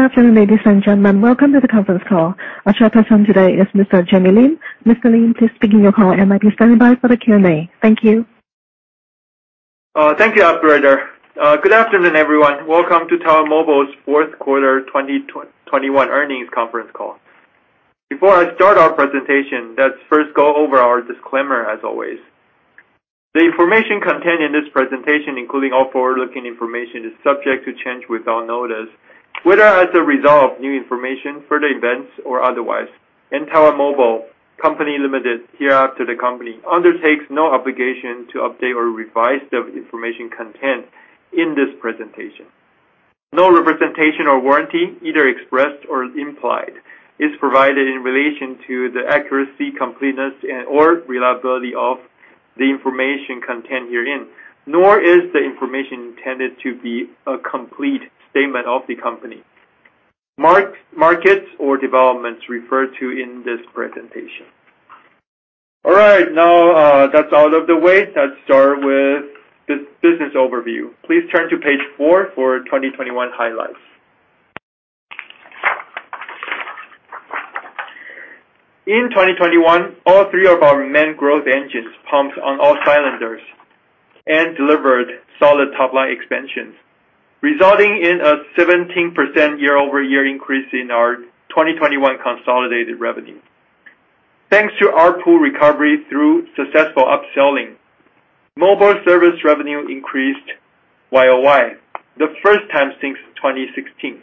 Good afternoon, ladies and gentlemen. Welcome to the conference call. Our chairperson today is Mr. Jamie Lin. Mr. Lin, please begin your call and I'll be standing by for the Q&A. Thank you. Thank you, operator. Good afternoon, everyone. Welcome to Taiwan Mobile's Q4 2021 earnings conference call. Before I start our presentation, let's first go over our disclaimer as always. The information contained in this presentation, including all forward-looking information, is subject to change without notice, whether as a result of new information, further events, or otherwise. Taiwan Mobile Company Limited, hereafter the Company, undertakes no obligation to update or revise the information contained in this presentation. No representation or warranty, either expressed or implied, is provided in relation to the accuracy, completeness, and/or reliability of the information contained herein, nor is the information intended to be a complete statement of the Company. Markets or developments referred to in this presentation. All right. Now, that's out of the way. Let's start with the business overview. Please turn to page four for 2021 highlights. In 2021, all three of our main growth engines pumped on all cylinders and delivered solid top-line expansions, resulting in a 17% year-over-year increase in our 2021 consolidated revenue. Thanks to ARPU recovery through successful upselling, mobile service revenue increased YoY, the first time since 2016.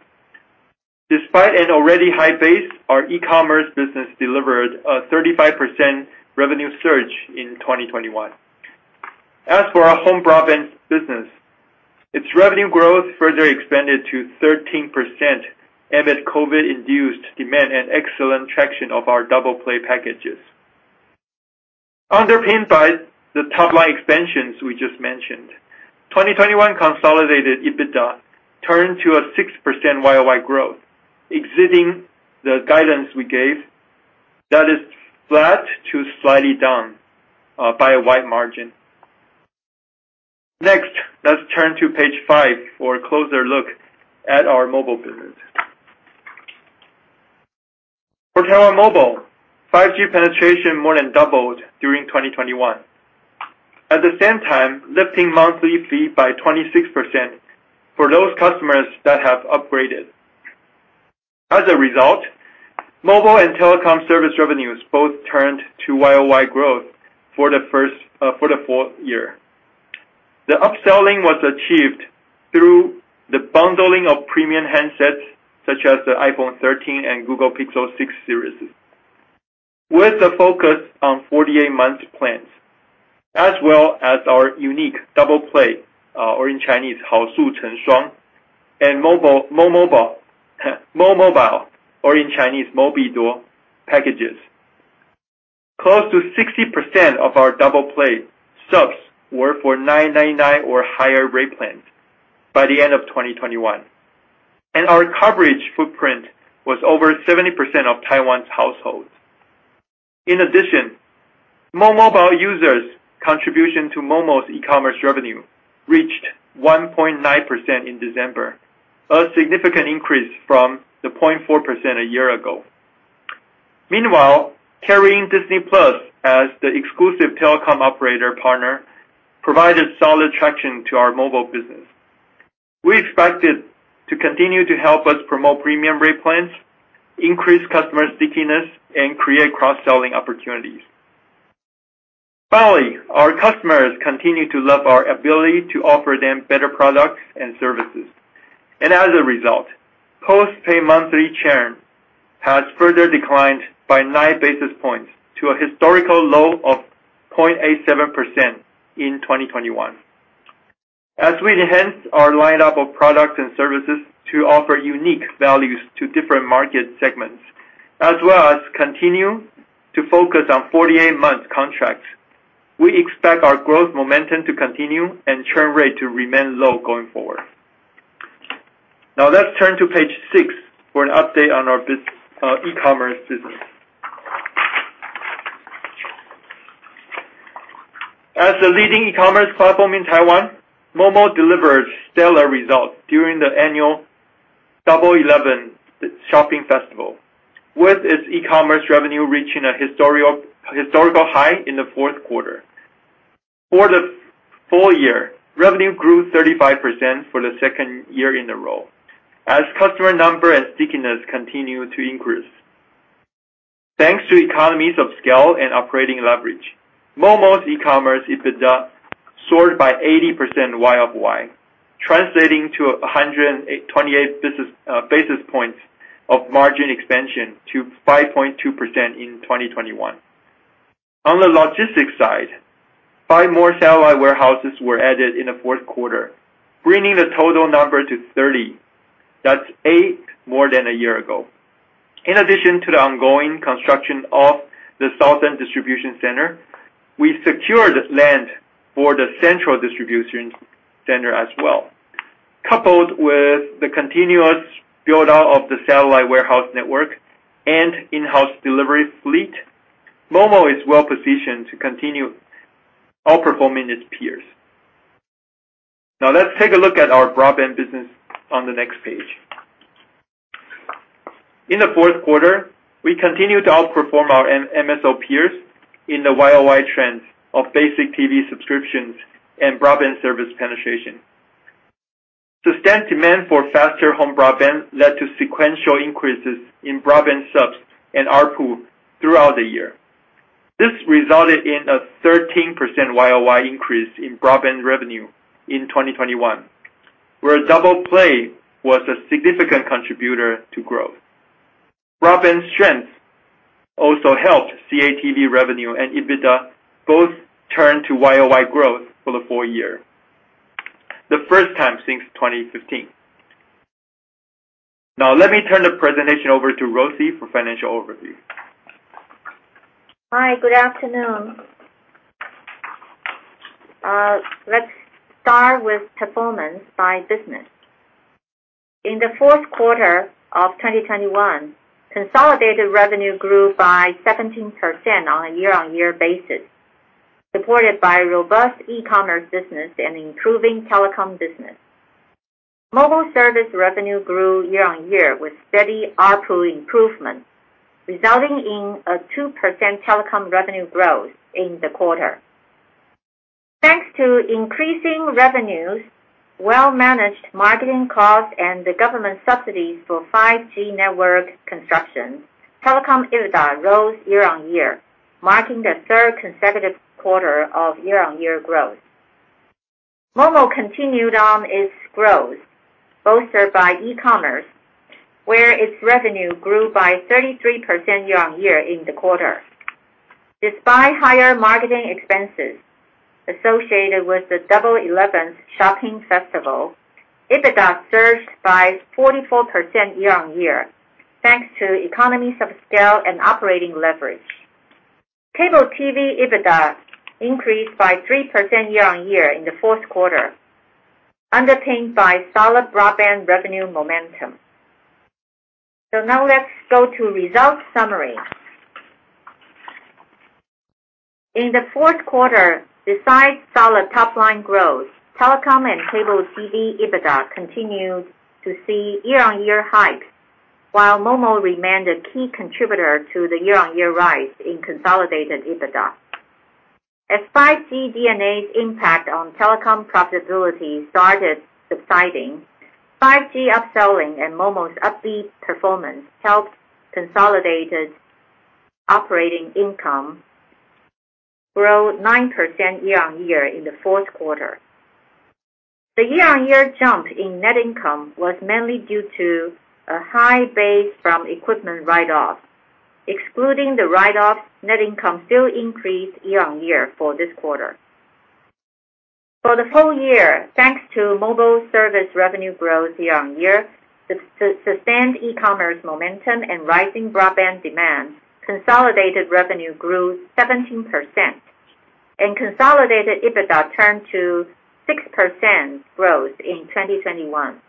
Despite an already high base, our e-commerce business delivered a 35% revenue surge in 2021. As for our home broadband business, its revenue growth further expanded to 13% amid COVID-induced demand and excellent traction of our Doubleplay packages. Underpinned by the top line expansions we just mentioned, 2021 consolidated EBITDA turned to a 6% YoY growth, exceeding the guidance we gave that is flat to slightly down by a wide margin. Next, let's turn to page five for a closer look at our mobile business. For Taiwan Mobile, 5G penetration more than doubled during 2021. At the same time lifting monthly fee by 26% for those customers that have upgraded. As a result, mobile and telecom service revenues both turned to YoY growth for the full year. The upselling was achieved through the bundling of premium handsets such as the iPhone 13 and Google Pixel 6 series. With the focus on 48-month plans, as well as our unique Doubleplay, or in Chinese, momobile or in Chinese, mobiduo packages. Close to 60% of our Doubleplay subs were for 999 or higher rate plans by the end of 2021, and our coverage footprint was over 70% of Taiwan's households. In addition, momobile users' contribution to momo's e-commerce revenue reached 1.9% in December, a significant increase from the 0.4% a year ago. Meanwhile, carrying Disney+ as the exclusive telecom operator partner provided solid traction to our mobile business. We expect it to continue to help us promote premium rate plans, increase customer stickiness, and create cross-selling opportunities. Finally, our customers continue to love our ability to offer them better products and services. As a result, post-pay monthly churn has further declined by nine basis points to a historical low of 0.87% in 2021. As we enhance our lineup of products and services to offer unique values to different market segments, as well as continue to focus on 48-month contracts, we expect our growth momentum to continue and churn rate to remain low going forward. Now let's turn to page six for an update on our e-commerce business. As the leading e-commerce platform in Taiwan, momo delivered stellar results during the annual Double 11 shopping festival, with its e-commerce revenue reaching a historical high in the fourth quarter. For the full year, revenue grew 35% for the second year in a row as customer number and stickiness continued to increase. Thanks to economies of scale and operating leverage, momo's e-commerce EBITDA soared by 80% YOY, translating to 28 basis points of margin expansion to 5.2% in 2021. On the logistics side, 5 more satellite warehouses were added in the fourth quarter, bringing the total number to 30. That's eight more than a year ago. In addition to the ongoing construction of the southern distribution center, we secured land for the central distribution center as well. Coupled with the continuous build-out of the satellite warehouse network and in-house delivery fleet, momo is well-positioned to continue outperforming its peers. Now let's take a look at our broadband business on the next page. In the fourth quarter, we continued to outperform our MSO peers in the YoY trends of basic TV subscriptions and broadband service penetration. Sustained demand for faster home broadband led to sequential increases in broadband subs and ARPU throughout the year. This resulted in a 13% YoY increase in broadband revenue in 2021, where Doubleplay was a significant contributor to growth. Broadband strength also helped CATV revenue and EBITDA both turn to YoY growth for the full year, the first time since 2015. Now let me turn the presentation over to Rosie for financial overview. Hi, good afternoon. Let's start with performance by business. In the fourth quarter of 2021, consolidated revenue grew by 17% on a year-on-year basis, supported by robust e-commerce business and improving telecom business. Mobile service revenue grew year-on-year with steady ARPU improvement, resulting in a 2% telecom revenue growth in the quarter. Thanks to increasing revenues, well-managed marketing costs, and the government subsidies for 5G network construction, telecom EBITDA rose year-on-year, marking the third consecutive quarter of year-on-year growth. momo continued on its growth, bolstered by e-commerce, where its revenue grew by 33% year-on-year in the quarter. Despite higher marketing expenses associated with the Double 11 shopping festival, EBITDA surged by 44% year-on-year, thanks to economies of scale and operating leverage. Cable TV EBITDA increased by 3% year-on-year in the fourth quarter, underpinned by solid broadband revenue momentum. Now let's go to results summary. In the fourth quarter, besides solid top-line growth, telecom and Cable TV EBITDA continued to see year-on-year hikes, while Momo remained a key contributor to the year-on-year rise in consolidated EBITDA. As 5G D&A's impact on telecom profitability started subsiding, 5G upselling and momo's upbeat performance helped consolidated operating income grow 9% year-on-year in the fourth quarter. The year-on-year jump in net income was mainly due to a high base from equipment write-offs. Excluding the write-offs, net income still increased year-on-year for this quarter. For the whole year, thanks to mobile service revenue growth year-on-year, sustained e-commerce momentum and rising broadband demand, consolidated revenue grew 17% and consolidated EBITDA turned to 6% growth in 2021.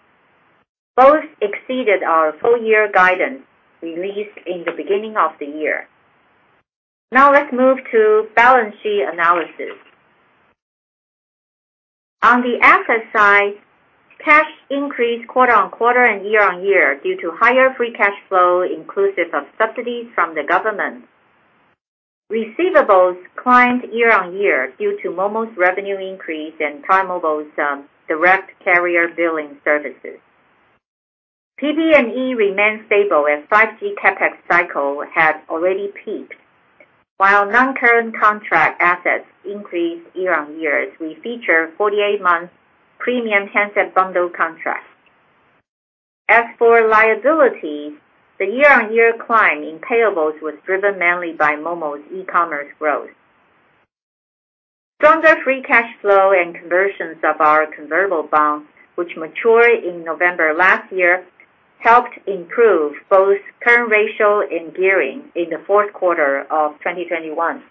Both exceeded our full-year guidance released in the beginning of the year. Now let's move to balance sheet analysis. On the asset side, cash increased quarter-on-quarter and year-on-year due to higher free cash flow inclusive of subsidies from the government. Receivables climbed year-on-year due to momo's revenue increase and Taiwan Mobile's direct carrier billing services. PP&E remained stable as 5G CapEx cycle had already peaked. Non-current contract assets increased year-on-year as we feature 48-month premium handset bundle contracts. As for liabilities, the year-on-year climb in payables was driven mainly by momo's e-commerce growth. Stronger free cash flow and conversions of our convertible bonds, which matured in November last year, helped improve both current ratio and gearing in the fourth quarter of 2021.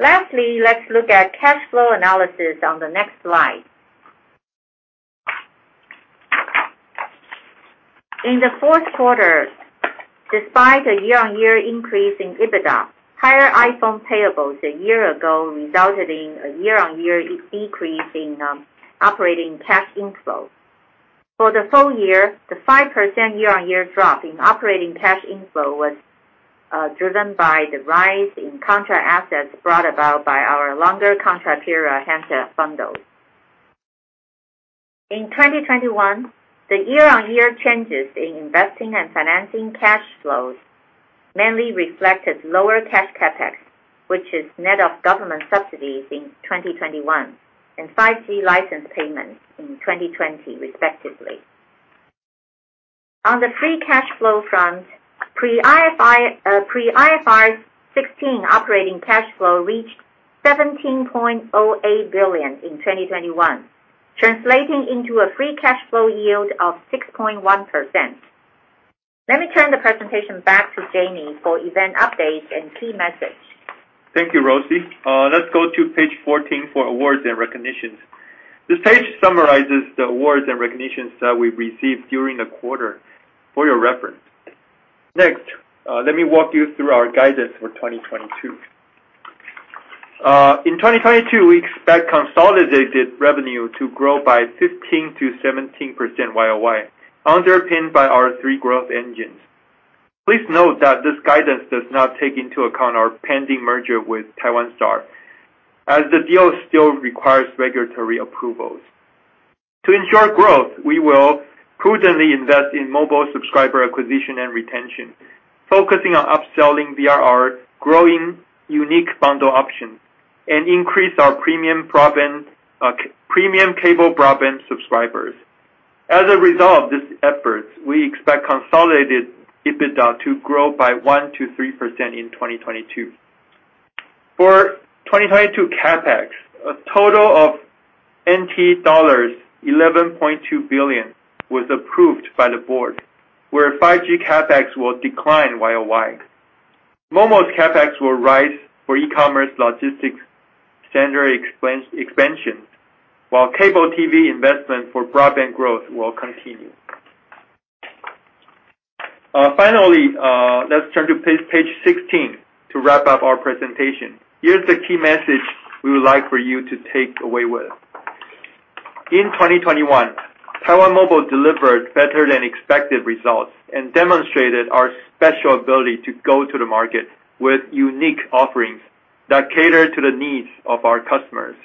Lastly, let's look at cash flow analysis on the next slide. In the fourth quarter, despite a year-on-year increase in EBITDA, higher iPhone payables a year ago resulted in a year-on-year decrease in operating cash inflow. For the full year, the 5% year-on-year drop in operating cash inflow was driven by the rise in contract assets brought about by our longer contract period handset bundles. In 2021, the year-on-year changes in investing and financing cash flows mainly reflected lower cash CapEx, which is net of government subsidies in 2021 and 5G license payments in 2020, respectively. On the free cash flow front, pre-IFRS 16 operating cash flow reached 17.08 billion in 2021, translating into a free cash flow yield of 6.1%. Let me turn the presentation back to Jamie for event updates and key message. Thank you, Rosie. Let's go to page 14 for awards and recognitions. This page summarizes the awards and recognitions that we received during the quarter for your reference. Next, let me walk you through our guidance for 2022. In 2022 we expect consolidated revenue to grow by 15%-17% YoY, underpinned by our three growth engines. Please note that this guidance does not take into account our pending merger with Taiwan Star, as the deal still requires regulatory approvals. To ensure growth, we will prudently invest in mobile subscriber acquisition and retention, focusing on upselling ARPU, growing unique bundle options, and increase our premium cable broadband subscribers. As a result of these efforts, we expect consolidated EBITDA to grow by 1%-3% in 2022. For 2022 CapEx, a total of NT dollars 11.2 billion was approved by the board, where 5G CapEx will decline YoY. Momo's CapEx will rise for e-commerce logistics center expansion, while Cable TV investment for broadband growth will continue. Finally, let's turn to page 16 to wrap up our presentation. Here's the key message we would like for you to take away with you. In 2021, Taiwan Mobile delivered better than expected results and demonstrated our special ability to go to the market with unique offerings that cater to the needs of our customers.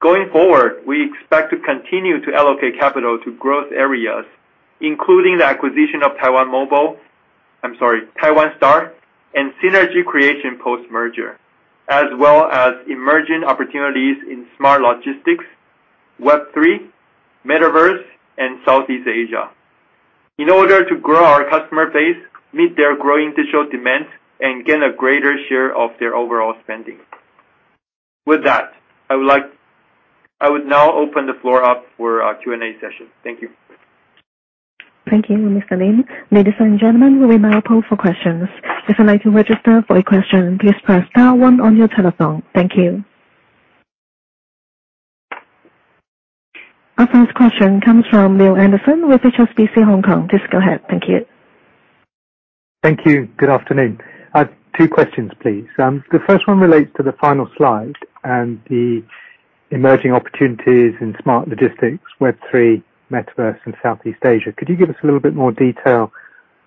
Going forward, we expect to continue to allocate capital to growth areas, including the acquisition of Taiwan Mobile. I'm sorry, Taiwan Star, and synergy creation post-merger, as well as emerging opportunities in smart logistics, Web3, Metaverse, and Southeast Asia. In order to grow our customer base, meet their growing digital demand, and gain a greater share of their overall spending. With that, I would now open the floor up for our Q&A session. Thank you. Thank you, Mr. Lin. Ladies and gentlemen, we will now open for questions. If you'd like to register for a question, please press star one on your telephone. Thank you. Our first question comes from Neale Anderson with HSBC Hong Kong. Please go ahead. Thank you. Thank you. Good afternoon. I have two questions, please. The first one relates to the final slide and the emerging opportunities in smart logistics, Web3, Metaverse, and Southeast Asia. Could you give us a little bit more detail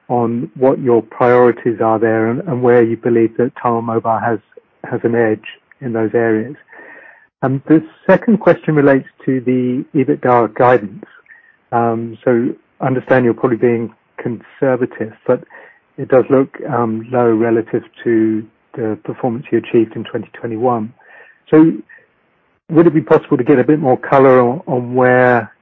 on what your priorities are there and where you believe that Taiwan Mobile has an edge in those areas? The second question relates to the EBITDA guidance. I understand you're probably being conservative, but it does look low relative to the performance you achieved in 2021. Would it be possible to get a bit more color on where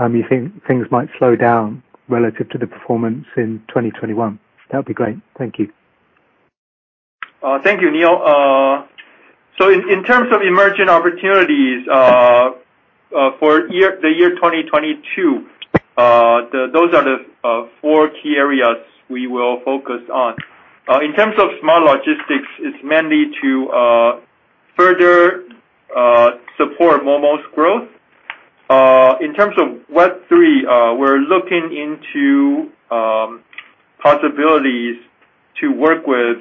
you think things might slow down relative to the performance in 2021? That would be great. Thank you. Thank you, Neale. In terms of emerging opportunities, for the year 2022, those are the four key areas we will focus on. In terms of smart logistics, it's mainly to further support momo's growth. In terms of Web3, we're looking into possibilities to work with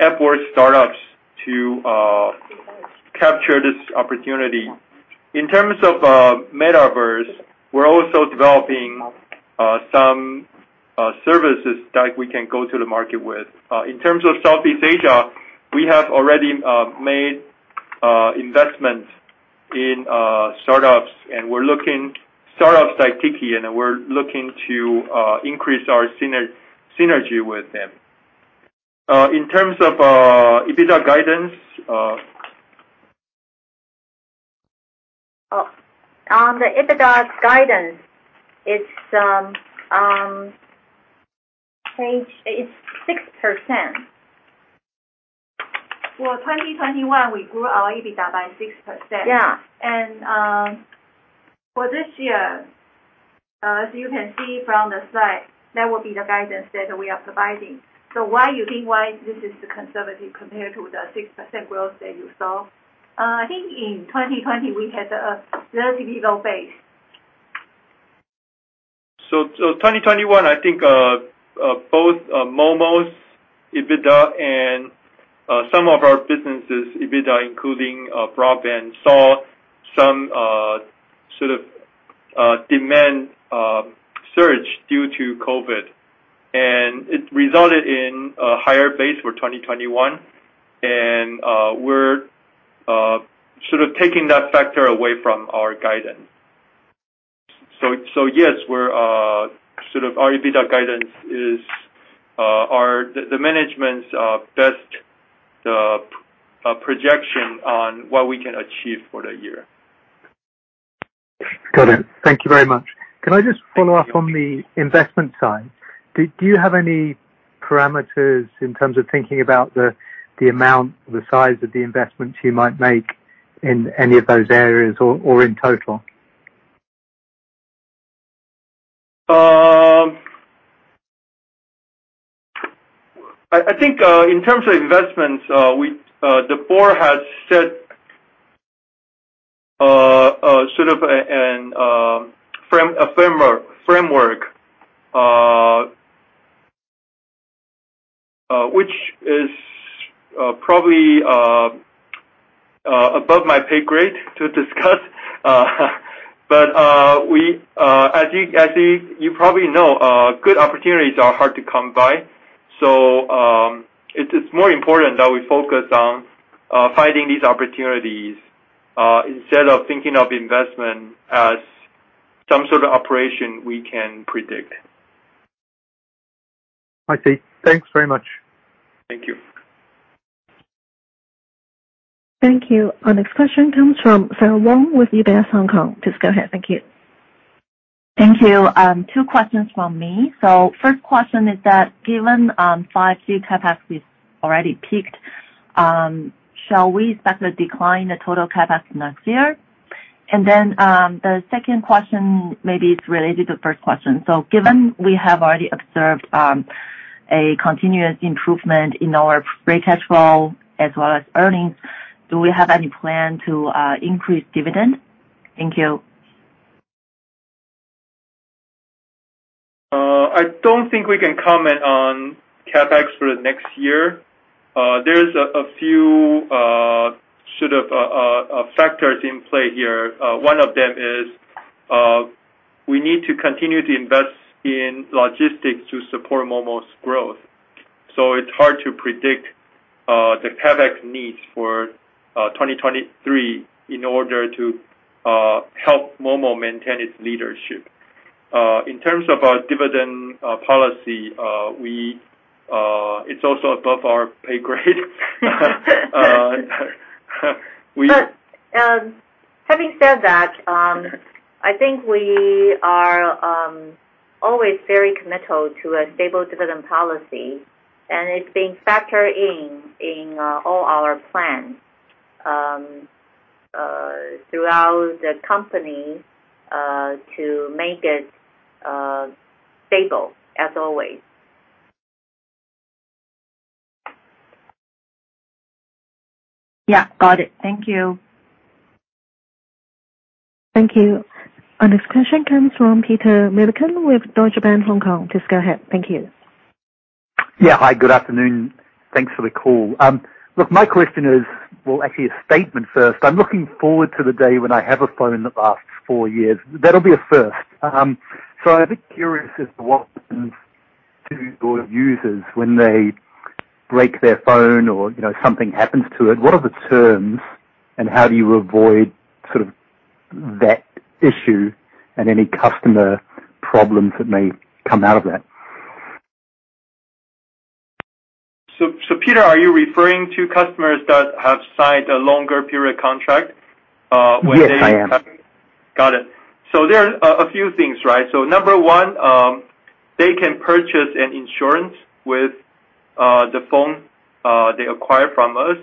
airport startups to capture this opportunity. In terms of Metaverse, we're also developing some services that we can go to the market with. In terms of Southeast Asia, we have already made investments in startups like Tiki, and we're looking to increase our synergy with them. In terms of EBITDA guidance, Oh. On the EBITDA guidance, it's 6%. For 2021, we grew our EBITDA by 6%. Yeah. For this year, as you can see from the slide, that would be the guidance that we are providing. Why you think this is the conservative compared to the 6% growth that you saw? I think in 2020 we had a relatively low base. 2021, I think both momo's EBITDA and some of our businesses' EBITDA, including broadband, saw some sort of demand surge due to COVID, and it resulted in a higher base for 2021. We're sort of taking that factor away from our guidance. Yes, our EBITDA guidance is the management's best projection on what we can achieve for the year. Got it. Thank you very much. Can I just follow up on the investment side? Do you have any parameters in terms of thinking about the amount or the size of the investments you might make in any of those areas or in total? I think in terms of investments, the board has set a framework which is probably above my pay grade to discuss. We, as you probably know, good opportunities are hard to come by. It's more important that we focus on finding these opportunities instead of thinking of investment as some sort of operation we can predict. I see. Thanks very much. Thank you. Thank you. Our next question comes from Sarah Wong with UBS Hong Kong. Please go ahead. Thank you. Thank you. Two questions from me. First question is that given 5G capacity is already peaked, shall we expect to decline the total CapEx next year? The second question maybe it's related to the first question. Given we have already observed a continuous improvement in our free cash flow as well as earnings, do we have any plan to increase dividend? Thank you. I don't think we can comment on CapEx for the next year. There's a few sort of factors in play here. One of them is we need to continue to invest in logistics to support momo's growth. It's hard to predict the CapEx needs for 2023 in order to help momo maintain its leadership. In terms of our dividend policy, it's also above our pay grade. Having said that, I think we are always very committed to a stable dividend policy, and it's being factored in all our plans throughout the company to make it stable as always. Yeah. Got it. Thank you. Thank you. Our next question comes from Peter Millican with Deutsche Bank Hong Kong. Please go ahead. Thank you. Yeah. Hi, good afternoon. Thanks for the call. Look, my question is. Well, actually a statement first. I'm looking forward to the day when I have a phone that lasts four years. That'll be a first. I've been curious as to what happens to your users when they break their phone or, you know, something happens to it. What are the terms and how do you avoid sort of that issue and any customer problems that may come out of that? Peter, are you referring to customers that have signed a longer period contract, when they- Yes, I am. Got it. There are a few things, right? Number one, they can purchase an insurance with the phone they acquire from us.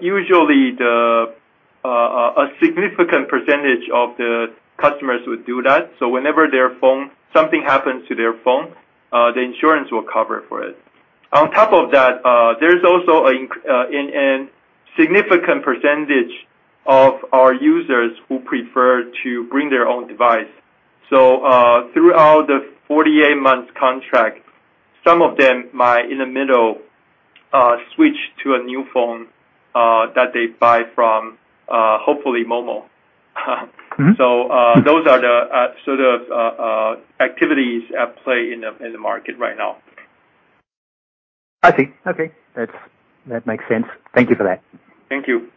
Usually a significant percentage of the customers would do that. Whenever their phone, something happens to their phone, the insurance will cover for it. On top of that, there's also a significant percentage of our users who prefer to bring their own device. Throughout the 48 months contract, some of them might in the middle switch to a new phone that they buy from, hopefully momo. Mm-hmm. Those are the sort of activities at play in the market right now. I see. Okay. That's, that makes sense. Thank you for that. Thank you.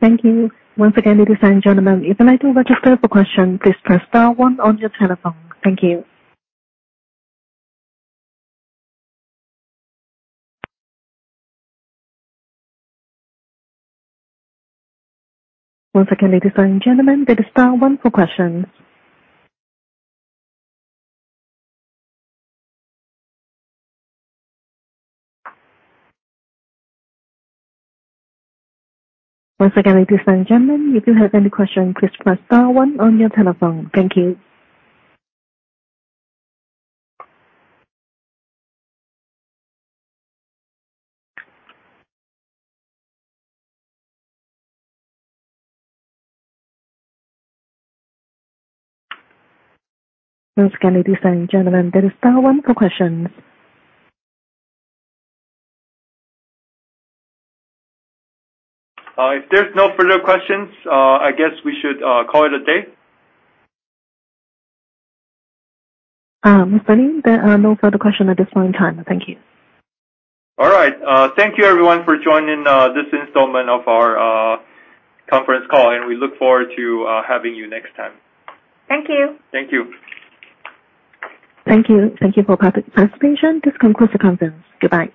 Thank you. Once again, ladies and gentlemen, if you'd like to register for question, please press star one on your telephone. Thank you. Once again, ladies and gentlemen, press star one for questions. Once again, ladies and gentlemen, if you have any questions, please press star one on your telephone. Thank you. Once again, ladies and gentlemen, dial star one for questions. If there's no further questions, I guess we should call it a day. Jamie, there are no further questions at this point in time. Thank you. All right. Thank you everyone for joining this installment of our conference call, and we look forward to having you next time. Thank you. Thank you. Thank you. Thank you for participation. This concludes the conference. Goodbye.